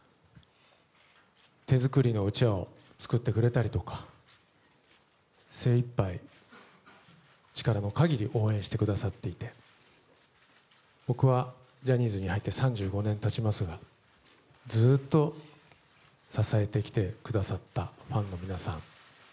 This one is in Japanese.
手作りのうちわを作ってくれたりとか精一杯、力の限り応援してくださっていて僕はジャニーズに入って３５年経ちますがずっと支えてきてくださったファンの皆さん